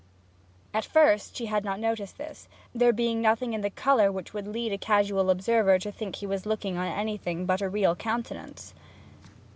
At first she had not noticed this there being nothing in its colour which would lead a casual observer to think he was looking on anything but a real countenance.